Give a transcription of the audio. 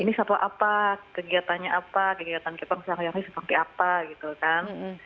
ini satwa apa kegiatannya apa kegiatan keeper yang seperti apa gitu kan